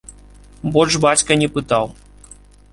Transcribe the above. Больш бацька не пытаў.